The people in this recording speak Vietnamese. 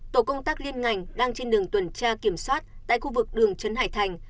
tổ công tác liên ngành đang trên đường tuần tra kiểm soát tại khu vực đường trấn hải thành